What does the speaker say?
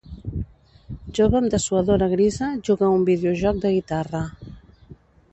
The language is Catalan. Jove amb dessuadora grisa juga a un videojoc de guitarra.